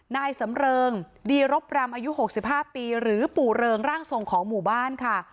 นายสำเริงดีรบรำอายุ๖๕ปีหรือปู่เริงร่างทรงของหมู่บ้านค่ะ